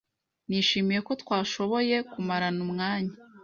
Nishimiye ko twashoboye kumarana umwanya.